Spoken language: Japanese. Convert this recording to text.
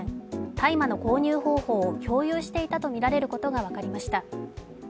大麻の購入方法を共有していたとみられることが分かりました。